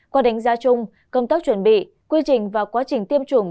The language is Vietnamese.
qua đánh giá chung công tác chuẩn bị quy trình và quá trình tiêm chủng